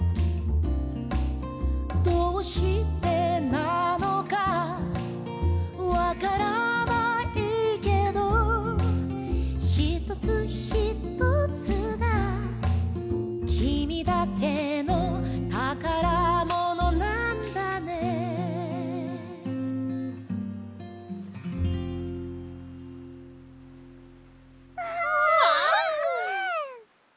「どうしてなのかわからないけど」「ひとつひとつがきみだけのたからものなんだね」わい！